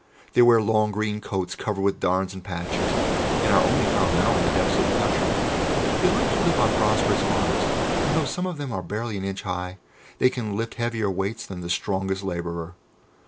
"They wear long green coats covered with darns and patches, and are only found now in the depths of the country. They like to live on prosperous farms, and though some of them are barely an inch high, they can lift heavier weights than the strongest labourer.